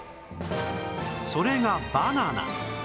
それがバナナ